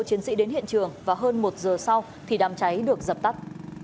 chiến sĩ đến hiện trường và hơn một giờ sau thì đám cháy được dập tắt